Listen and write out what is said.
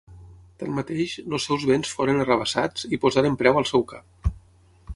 Tanmateix, els seus béns foren arrabassats i posaren preu al seu cap.